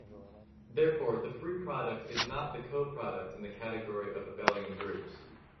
Therefore, the free product is not the coproduct in the category of abelian groups.